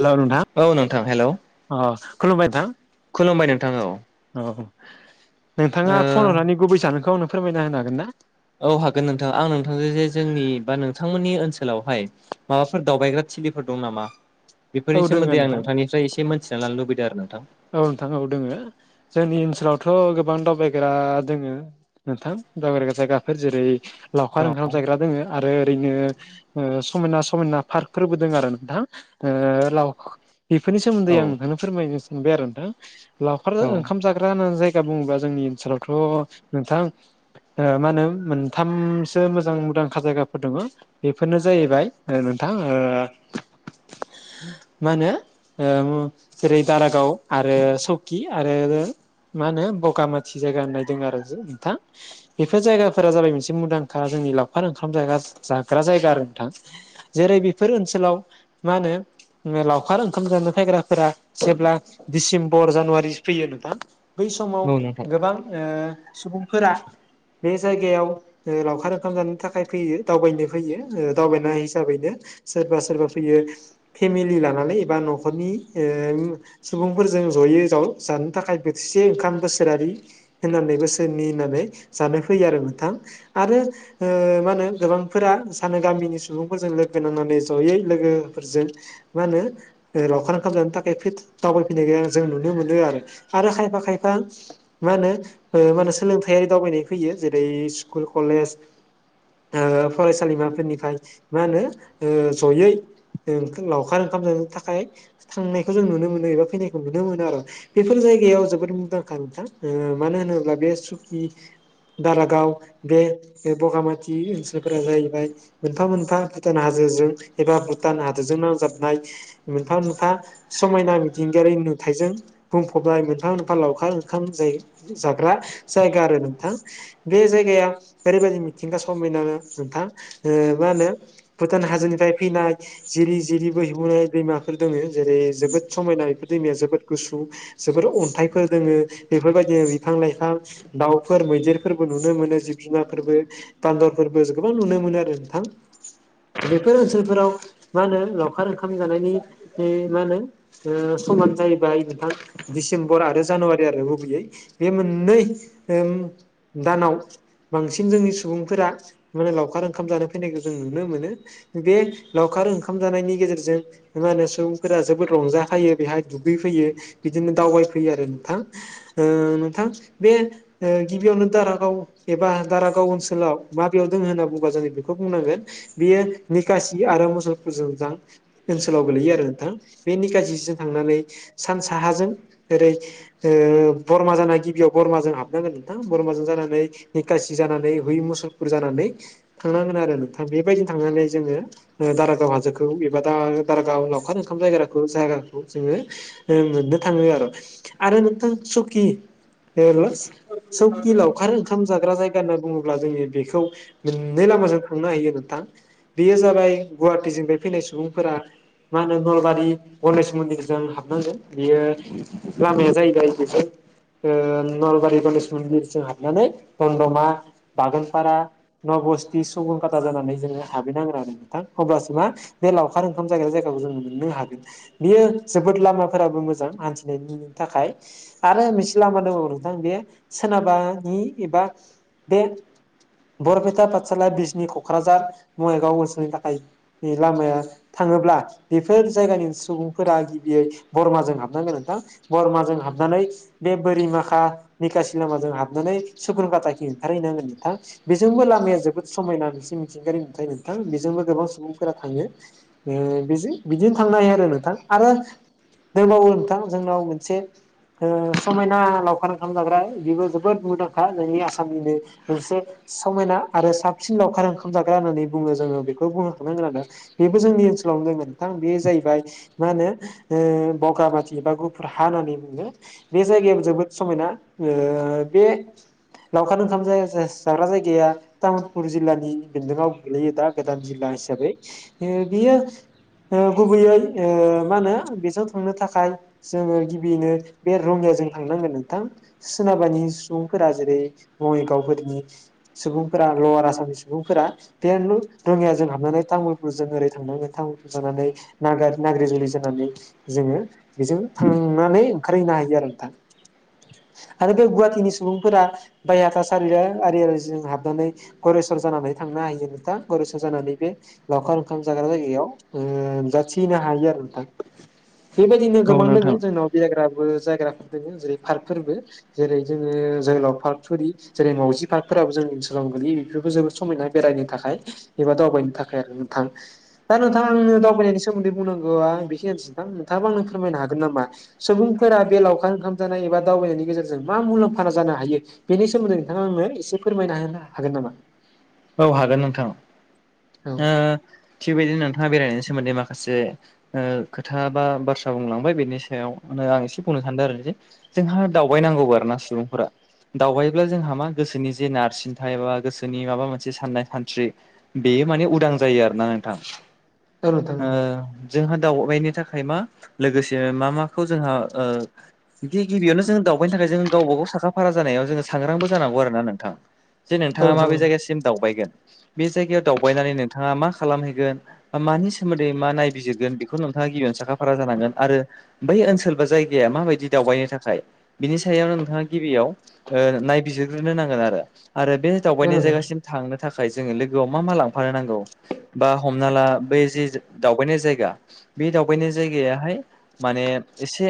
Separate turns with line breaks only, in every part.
Hello नोंथां
औ नोंथां हेलौ
अ खुलुमबाय नोंथां
खुलुमबाय नोंथां औ
अ नोंथाङा
ओ
फन हरनानै गुबै जाहोनखौ आंनो फोरमायना होनो हागोन ना?
औ हागोन नोंथां आं नोंथांजों जे जोंनि बा नोंथांमोननि ओनसोलावहाय माबाफोर दावबायग्रा थिलिफोर दं नामा
औ
बेफोरनि
दोङो
सोमोन्दै आं
नोंथां
नोंथांनिफ्राय एसे मोनथिनानै लानो लुबैदों आरो नोंथां
औ नोंथां औ दोङो। जोंनि ओनसोलावथ' गोबां दावबायग्रा दोङो नोंथां दावबायग्रा जायगा फोर जेरै लावखार ओंखाम जायग्रा दोङो आरो ओरै नो ओ समायना समायना पार्कफोरबो दों आरो नोंथां ओ लाव बेफोरनि सोमोन्दै
औ
आं नोंथांनो फोरमायनो सानबाय आरो नोंथां लावखार ओंखाम जा ग्रा होननानै जायगा बुङोबा जोंनि ओनसोलावथ' नोंथां ओ मा होनो मोनथामसो मोजां मुंदांखा जायगाफोर दङ। बेफोरनो जाहैबाय ओ नोंथां ओ मा होनो ओम जेरै दारागाव आरो सौकि आरो मा होनो बगामाथि जायगा होननायदों आरो जों नोंथां। बेफोर जायगाफोरा जाबाय मोनसे मुंदांखा जोंनि लावखार ओंखाम जागास जाग्रा जायगा आरो नोंथां। जेरै बेफोर ओनसोलाव मा होनो उम लावखार ओंखाम जानो फैग्राफोरा जेब्ला डिसेम्बर जानुवारि फैयो नोंथां बै समाव
औ नोंथां
गोबां ओ सुबुंफोरा बे जायगायाव ओ लावखार ओंखाम जानो थाखाय फैयो दावबायनो फैयो ओ दावबायनाय हिसाबैनो सोरबा सोरबा फैयो फेमिलि लानानै एबा न'खरनि ओ सुबुंफोरजों जयै ज' जानो थाखाय बोथिसे ओंखाम बोसोरारि होननानै बोसोरनि होननानै जानो फैयो आरो नोंथां आरो ओ मा होनो गोबांफोरा सानो गामिनि सुबुंफोरजों लोगो नांनानै जयै लोगोफोरजों मा होनो ओ लावखार ओंखाम जानो थाखाय फि दावबायफैनायखौ जों नुनो मोनो आरो आरो खायफा खायफा मा होनो ओ मा होनो सोलोंथायारि दावबायनाय फैयो जेरै स्कुल कलेज ओ फरायसालिमाफोरनिफ्राय मा होनो ओ जयै ओ लावखार ओंखाम जानो थाखाय खुंनायखौ जों नुनो मोनो एबा फैनायखौ नुनो मोनो आरो। बेफोर जायगायाव जोबोद मुंदांखा नोंथां। ओ मानो होनोब्ला बे सुकि दारागाव बे बगामाथि ओनसोलफोरा जाहैबाय मोनफा मोनफा भुटान हाजोजों एबा भुटान हादोजों नांजाबनाय मोनफा मोनफा समायना मिथिंगायारि नुथायजों बुंफबनाय मोनफा मोनफा लावखार ओंखाम जाय जाग्रा जायगा आरो नोंथां। बे जायगाया ओरैबायदि मिथिंगा समायनानो नोंथां। ओ मा होनो भुटान हाजोनिफ्राय फैनाय जिरि जिरि बोहैबोनाय दैमाफोर दङ जेरै जोबोद समायना बेफोर दैमाया जोबोद गुसु जोबोर अन्थाइफोर दोङो बेफोरबायदिनो बिफां लाइफां दाउफोर मैदेरफोरबो नुनो मोनो जिब जुनारफोरबो बान्दरफोरबो गोबां नुनो मोनो आरो नोंथां। बेफोर ओनसोलफोराव मा होनो लावखार ओंखाम जानायनि नि मा होनो ओ समानो जाहैबाय नोंथां डिसेम्बर आरो जानुवारि आरो गुबैयै। बे मोननै ओम दानाव बांसिन जोंनि सुबुंफोरा माने लावखार ओंखाम जानो फैनायखौ जों नुनो मोनो। बे लावखार ओंखाम जानायनि गेजेरजों मा होनो सुबुंफोरा जोबोद रंजा फाइयो बेहाय दुगै फैयो बिदिनो दावबायफैयो आरो नोंथां। ओ नोंथां बे ओ गिबियावनो दारागाव एबा दारागाव ओनसोलाव माबेयाव दङ होनना बुंबा जों बेखौ बुंनांगोन बेयो निकसि आरो मुसलपुरजोंजां ओनसोलाव गोलैयो आरो नोंथां। बे निकसि बिजों थांनानै सान साहाजों ओेरै ओ बरमा जाना गिबियाव बरमाजों हाबनांगोन नोंथां बरमाजों जानानै निकसि जानानै हुइ मुसलपुर जानानै थांनांगोन आरो नोंथां बेबायदिनो थांनानै जोङो ओ दारागाव हाजोखौ एबा दा दारागाव लावखार ओंखाम जायग्राखौ जायगा खौ जोङो ओ मोननो थाङो आरो आरो नोंथां सुकि हेल' सौखि लावखार ओंखाम जाग्रा जायगा होनना बुङोब्ला, जोङो बेखौ मोननै लामाजों थांनो हायो नोंथां। बेयो जाबाय गुवाहाटिजों बे फैनाय सुबुंफोरा मा होनो नलबारि गनेश मन्दिरजों हाबनांगो बियो लामाया जाहैबाय बेफोर ओ नलबारि गनेेश मन्दिर जों हाबनानै दमदमा, बागानफारा नबस्थि, सुबनखाथा जानानै जोङो हाबहैनांगोन आरो नोंथां। अब्लासो मा बे लावखार ओंखाम जाग्रा जायगाखौ जोङो मोननो हागोन। बियो जोबोद लामाफोराबो मोजां हान्थिनायनि थाखाय। आरो मोनसे लामा दोङो नोंथां बे सोनाबानि एबा बे बरपेटा, पाठसाला, बिजनि, क'क्राझार, बङाइगाव ओनसोलनि थाखाय [unintelligible] लामाया थाङोब्ला बेफोर जायगानि सुबुं फोरा गिबियै बरमाजों हाबनांगोन नोंथां, बरमाजों हाब हाबनानै बे बोरिमाखा, निखासि लामाजों हाबनानै सुकुनखाटाखि ओंखारहैनांगोन नोंथां। बेजोंबो लामाया जोबोद समायना मोनसे मिथिंगायारि नुथाय नोंथां, बेजोंबो गोबां सुबुंफोरा थाङो। ओ बिजों बिदिनो थांनो हायो आरो नोंथां। आरो दोंबावो नोंथां जोंनाव मोनसे ओ समायना लावखार ओंखाम जाग्रा बेबो जोबोद मुंदांखा जोंनि आसामनिनो। मोनसे समायना आरो साबसिन लावखार ओंखाम जाग्रा होननानै बुङो जोङो बेखौ बुंनो थांनांगोन आरो। बेबो जोंनि ओनसोलावनो दङ नोंथां बे जाहैबाय मा होनो ओ बगामाथि बा गुफुर हानानै बुङो। बे जायगायाबो जोबोद समायना, ओ बे लावखार ओंखाम जा-जाग्रा जायगाया तामुलपुर जिल्लानि बेन्दोंआव गोग्लैयो दा गोदान जिल्ला हिसाबै। ओ बेयो ओ गुबैयै ओ मा होनो बेजों थांनो थाखाय जोङो गिबियैनो बे रङिया जों थांनांगोन नोंथां। सोनाबानि सुबुंफोरा जेरै बङाइगावफोरनि सुबुंफोरा लवार आसामनि सुबुंफोरा बेे लु रङियाजों हाबनानै तामुलपुरजों ओरै थांनांगोन। थां जानानै नागा-नाग्रिजुलि जानानै जोङो बेजों थांनानै ओंखारहैनो हायो आरो नोंथां आरो बे गुवाहाटिनि सुबुंफोरा बायहाथा सारिआरया आरिजों हाबनानै गरेस्वर जानानै थांनो हायो नोंथां, गरेस्वर जानानै बे लावखार ओंखाम जाग्रा जायगायाव ओ जाथि फैनो हायो आरो नोंथां। बेबायदिनो
औ
गोबां
नोंथां
दोङो जोंनाव बेरायग्राबो जायग्राफोर जेरै पार्कफोरबो जेरै जोङो जोहोलाव पार्क सरि। जेरै मावजि पार्कफोराबो जोंनि ओनसोलाव गोलैयो बेफोरबो जोबोद समायना बेरायनो थाखाय। एबा दावबायनो थाखाय आरो नोंथां। दा नोंथां दावबायनायनि सोमोन्दै बुंनांगौआ बेखिनिआनोसै नोंथां। नोंथाआबो आंनो फोरमायनो हागोन नामा? सुबुंफोरा बे लावखार ओंखाम जानाय एबा दावबायनायनि गेजेरजों मा मुलाम्फा जानो हायो? बेनि सोमोन्दै नोंथाङा आंनो एसे फोरमायना होनो हागोन नामा?
औ हागोन नोंथां।
औ
ओ थिग बिदिनो नोंथाङा बेरायनायनि सोमोन्दै माखासे ओ खोथा बा बाथ्रा बुंलांबाय बेनि सायावनो आं एसे बुंनो सान्दों आरो जे जोंहा दावबाय नांगौबो आरोना सुबुंफोरा। दावबायोब्ला जोंहा मा गोसोनि जे नारसिनथाय एबा गोसोनि माबा मोन मोनसे साननाय सानस्रि बेयो माने उदां जायो आरोना नोंथां।
औ नोंथां औ
ओ जोंहा दावबायनो थाखाय मा लोगोसे मा माखौ जोंहा ओ बिदि गिबियावनो जों दाव बेनि थाखाय जों गावबागाव साखा फारा जानायाव जोंसांग्रांबो जानांगौ आरो ना नोंथां। जे
औ
नोंथाङा
नोंथां औ
माबे जायगासिम दावबायगोन। बे जायगायाव दावबायनानै नोंथाङा मा खालामहैगोन? मानि सोमोन्दै मा नायबिजिरगोन बेखौ नोंथाङा गिबियावनो साखाफारा जानांगोन आरो बै ओनसोल बा जायगाया माबायदि दावबायनो थाखाय बिनि सायाव नोंथाङा गिबियाव नायबिजिरग्रोनो नांगोन आरो आरो बे
औ
दावबायनाय
नोंथां
जायगासिम थांनो थाखाय जोङो लोगोआव मा मा लांफानो नांगौ बा हमना ला बै जि दावबायनाय जायगा बे दावबायनाय जायगायाहाय माने एसे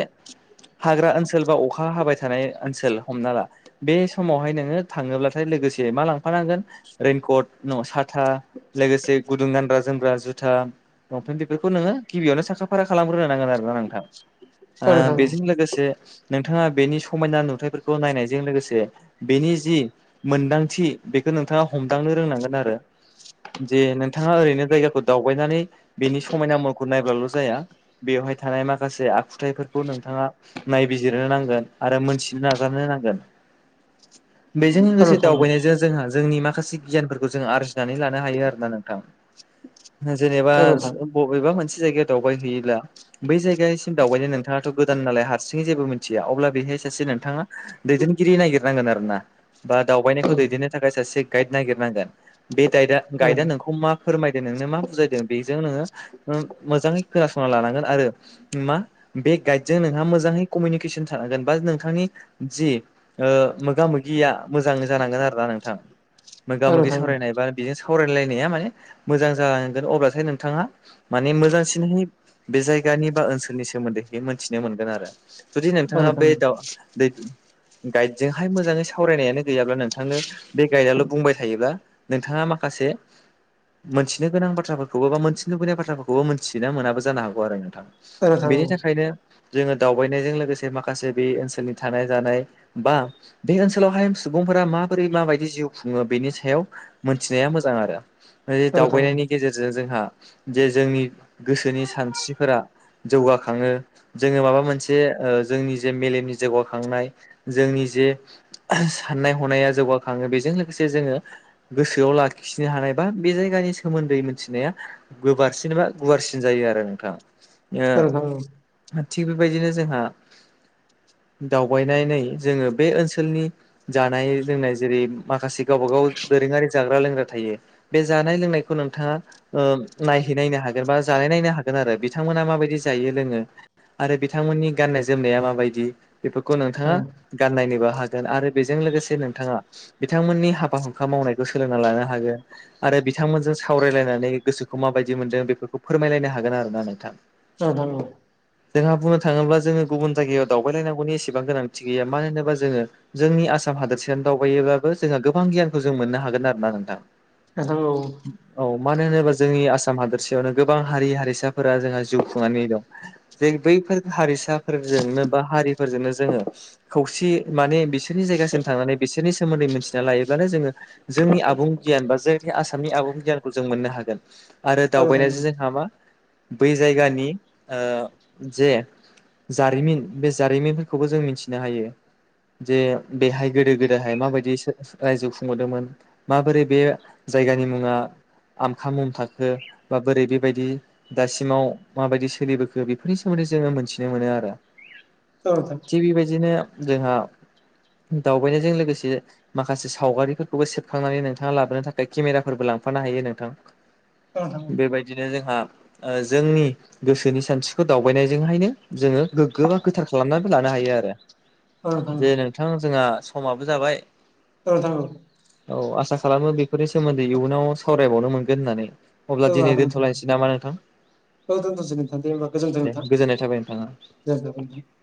हाग्रा ओनसोल बा अखा हाबाय थानाय ओनसोल हमना ला बे समावहाय नोङो थाङोब्लाथाय लोगोसे मा लांफानांगोन रइेनकट न साथा लोगोसे गुदुं गानग्रा जोमब्रा जुथा लंपेन्ट बेफोरखौ नोङो गिबियावनो साखा फारा खालामग्रोनो नांगोन आरोना नोंथां
औ नोंथां औ
आ
नोंथां
बेजों लोगोसे नोंथाङा बेनि समायना नुथाइफोरखौ नायनायजों लोगोसे बेनि जि मोनदांथि बेखौ नोंथाङा हमदांनो रोंनांगोन आरो जे नोंथाङा ओरैनो जायगाखौ दावबायनानै बेनि समायना महरखौ नायब्लाल' जाया बेवहाय थानाय माखासे आखुथायफोरखौ नोंथाङा नायबिजिरनो नांगोन आरो मोनथिनो नाजानो नांगोन बेजों
औ
लोगोसे
नोंथां
दावबायनायजों जोंहा जोंनि मा माखासे गियानफोरखौ जों आरजिनानै लानो हायो आरोना नोंथां
औ
जेनेबा
औ नोंथां
बबेबा मोनसे जायगायाव दावबाय हैयोब्ला बै जायगासिम दावबायनो नोंथाङाथ' गो गोदान नालाय हारसिङै जेबो मिथिया अब्ला बेहाय सासे नोंथाङा दैदेनगिरि नायागिरनांगोन आरो ना बा
औ
दावबायनायखौ दैदेननो थाखाय सासे गाइद नागिरनांगोन बे गाइआ गाइदा नोंखौ मा फोरमायदों नोंनो मा बुजायदों बेजों ओ मोजाङै खोनासंना लानांगोन आरो मा बे गाइडजों नोंहा मोजाङै कमिउनिकेसन थानांगोन बा नोंथांनि जि ओ मोगा मोगिया मोजांङैजानांगोन आरोना नोंथां मोगा
औ नोंथां औ नोंथां औ
मोगि
नोंथां
सावरायनाय बा बेजों सावरायलायनाया माने मोजां जालांगोन अब्लासो नोंथाङा माने मोजांसिनहै बे जायगानि बा ओनसोलनि सोमोन्दैहै मोनथिनो मोनगोन आरो जुदि
औ नोंथां औ
नोंथाङा
नोंथां औ नोंथां औ नोंथां औ नोंथां औ नोंथां औ नोंथां औ नोंथां
बे
औ
दा दै गाइडजोंहाय मोजाङै सावरायनायानो गैयाब्ला नोंथांनो बे गाइदआल' बुंबाय थायोब्ला नोंथाङा माखासे मोनथिनो गोनां बाथ्राफोरखौबो बा मोनन्थिनो लुबैनाय बाथ्राफोरखौबो मोनथिना मोनाबो जानो हागौ आरो नोंथां बेनि थाखायनो जोङो दावबायनायजों लोगोसे माखासे बे ओनसोलनि थानाय जानाय बा बे ओनसोलावहाय सुबुंफोरा माबोरै माबायदि जिउ बेनि सायाव मोनथिनाया मोजां आरो बे दावबायनायनि गेजेरजों जो जोंहा जे जोंनि गोसोनि सानस्रिफोरा जौगाखाङो जोङो माबा मोनसे ओ जोंनि जे मेलेमनि जौगाखांनाय जोंनि जे साननाय हनाया जौगाखाङो बेजों लोगोसे जोङो गोसोआव लाखिनो हानाय बा बे जायगानि सोमोन्दै मिथिनाया गोबारसिन बा गुवारसिन जायो आरो नोंथां थिग बेबायदिनो जोंहा दावबायनानै जोङो बे ओनसोलनि जानाय लोंनाय जेरै माखासे गावबा गाव दोरोङारि जाग्रा लोंग्रा थायो बे जानाय लोंनायखौ नोंथाङा ओ नायहै नायनो हागोन बा जानाय नायनो हागोन आरो बिथांमोना माबायदि जायो लोङो आरो बिथांमोननि गाननाय जोमनाया माबायदि बेफोरखौ नोंथाङा गाननायनोबो हागोन आरो बेजों लोगोसे नोंथाङा बिथांमोननि हाबा हुखा मावनायखौ सोलोंना लानो हागोन आरो बिथांमोनजों सावरायलायनानै गोसोखौ माबायदि मोन्दों बेफोरखौ फोरमायलायनो हागोन आरो ना नोंथां
[unintelligible]
जोंहा बुंनो थाङोब्ला जोङो गुबुन जायगायाव दावबायलायनांगौनि एसेबां गोनांथि गैया मानो होनोबा जोङो जोंनि आसाम हादोरसायाव दावबायोब्लाबो जोंहा गोबां गियानखौ जों मोननो हागोन आरो ना नोंथां
औ
औ मानो होनोबा जोंनि आसाम हादोरसेयावनो गोबां हारि हारिसाफोरा जोंहा जिउ खुंनानै दं जों बैफोर हारिसाफोरजोंनो बा हारि फोरजोंनो जोङो खौसे माने बिसोरनि जायगासिम थांनानै बिसोरनि मोनथिना लायोब्लानो जोङो जोंनि आबुं गियान बा जायखि आसामनि आबुं गियानखौ जों मोननो हागोन। आरो दावबायनायजों जोंहा मा बै जायगानि ओ जे जारिमिन बे जारिमिनफोरखौबो जों मिथिनो हायो जे बेहाय गोदो गोदा आय माबायदि रायजो खुंबोदोंमोन माबोरै बे जायगानि मुङा आमखा मुम थाखो बा बोरै बेबायदि दासिमाव माबायदि सोलिबोखो बेफोरनि सोमोन्दै जोङो मोनथिनो मोनो आरो।
[unintelligible]
थिग बेबायदिनो जोंहा दावबायनायजों लोगोसे ए माखासे सावगारिफोरखौबो सेबखांनानै नोंथाङा लाबोनो थाखाय केमेराफोरबो लांफानो हायो नोंथां। [inaudible] बेबायदिनो जोंहा ओ जोंनि गोसोनि सानस्रिखौ दावबायनायजोंहायनो जोङो गोग्गो बा गोथार खालामनानैबो लानो हायो आरो जे नो थां जोंहा समाबो जाबाय
ओ नोंथां ओ
औ आसा खालामो बेफोरनि सोमोन्दै इयुनाव सावरायबावनो मोनगोन होननानै। अब्ला दिनै
हागोन नोंथां औ
दोनथ'लायनोसै नामा नोंथां?
औ दोनथ'सै नोंथां दे होनबा गोजोनथों
दे गोजोननाय थाबाय नोंथाङा
नोंथां [unintelligible]